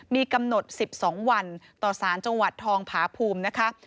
มีกำหนด๑๒วันต่อสารจังหวัดทองผาภูมินะคะ